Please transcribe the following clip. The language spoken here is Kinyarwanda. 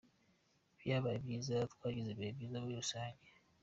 Byabaye byiza, twagize ibihe byiza muri rusange.